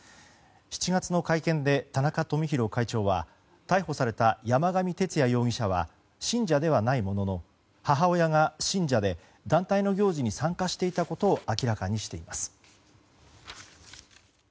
７月の会見で田中富広会長は逮捕された山上徹也容疑者は信者ではないものの母親が信者で団体の行事に参加していたことを明らかにしています。